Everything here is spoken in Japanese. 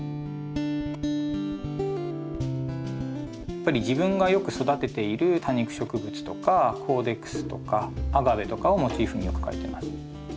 やっぱり自分がよく育てている多肉植物とかコーデックスとかアガベとかをモチーフによく描いてます。